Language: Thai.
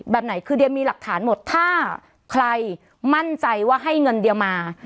แบบไหนคือเดียมีหลักฐานหมดถ้าใครมั่นใจว่าให้เงินเดียมา